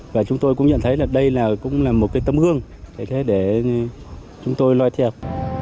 và chúng tôi cũng nhận thấy đây là một tấm hương để chúng tôi loay theo